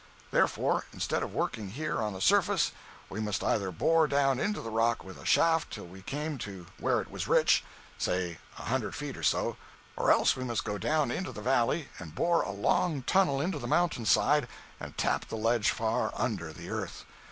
Therefore, instead of working here on the surface, we must either bore down into the rock with a shaft till we came to where it was rich—say a hundred feet or so—or else we must go down into the valley and bore a long tunnel into the mountain side and tap the ledge far under the earth.